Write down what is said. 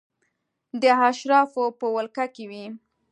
د اشرافو په ولکه کې وې.